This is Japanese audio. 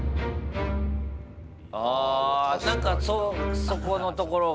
なんか、そこのところが。